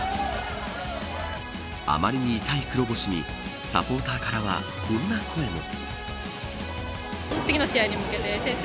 あまりに痛い黒星にサポーターからは、こんな声も。